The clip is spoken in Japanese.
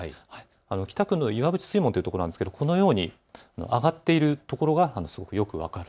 北区の岩淵水門というところなんですかこのように上がっているところがよく分かる。